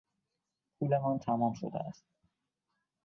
پولمان تمام شده است.